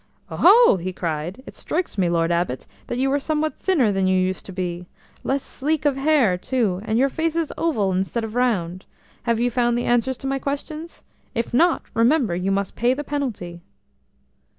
"Oho!" he cried, "it strikes me, my Lord Abbot, that you are somewhat thinner than you used to be!–less sleek of hair too, and your face is oval instead of round.... Have you found the answers to my questions? If not, remember, you must pay the penalty!"